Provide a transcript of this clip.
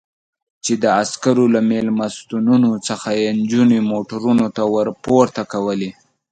چې د عسکرو له مېلمستونونو څخه یې نجونې موټرونو ته ور پورته کولې.